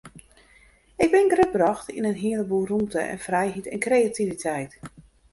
Ik bin grutbrocht yn in hele boel rûmte en frijheid en kreativiteit.